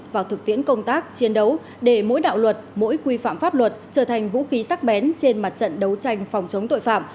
vào thực tiễn công tác chiến đấu để mỗi đạo luật mỗi quy phạm pháp luật trở thành vũ khí sắc bén trên mặt trận đấu tranh phòng chống tội phạm